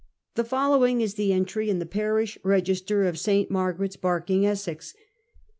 The following is the entry in the fmnsh rcgiater of St. MargurcCs, Ikirking, Essex.